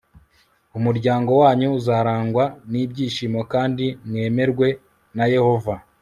umuryango wanyu uzarangwa n ibyishimo kandi mwemerwe na yehova